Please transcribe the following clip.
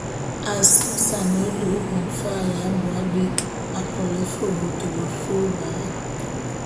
A asimesan e luu ve mfa’a y abo abé a kolé fe bôt befe ôbak.